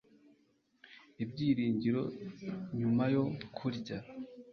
Ibyiringiro nyuma yo kurya